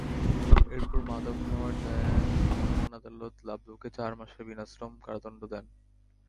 এরপর মাদক নেওয়ার দায়ে ভ্রাম্যমাণ আদালত লাবলুকে চার মাসের বিনাশ্রম কারাদণ্ড দেন।